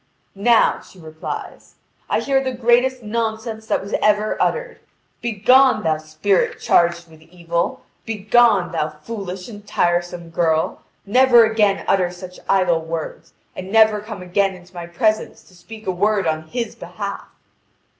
"Now," she replies, "I hear the greatest nonsense that was ever uttered. Begone, thou spirit charged with evil! Begone, thou foolish and tiresome girl! Never again utter such idle words, and never come again into my presence to speak a word on his behalf!"